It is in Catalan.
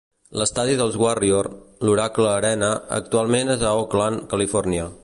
L'estadi dels Warrior, l'Oracle Arena, actualment és a Oakland, Califòrnia.